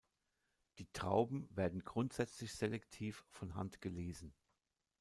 Die Trauben werden grundsätzlich selektiv von Hand gelesen.